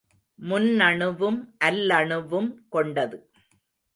முன்னணுவும் அல்லணுவும் கொண்டது.